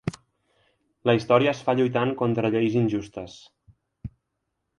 La història es fa lluitant contra lleis injustes.